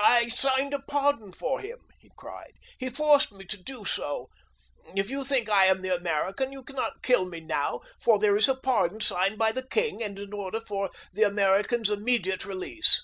"I signed a pardon for him!" he cried. "He forced me to do so. If you think I am the American, you cannot kill me now, for there is a pardon signed by the king, and an order for the American's immediate release.